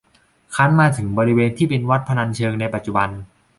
ครั้นมาถึงบริเวณที่เป็นวัดพนัญเชิงในปัจจุบัน